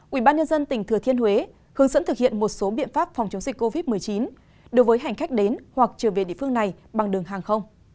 quỹ ban nhân dân tỉnh thừa thiên huế hướng dẫn thực hiện một số biện pháp phòng chống dịch covid một mươi chín đối với hành khách đến hoặc trở về địa phương này bằng đường hàng không